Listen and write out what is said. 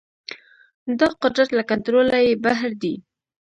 دا قدرت له کنټروله يې بهر دی.